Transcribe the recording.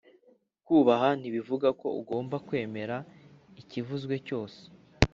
Kubaha ntibivuga ko ugomba kwemera ikivuzwe cyose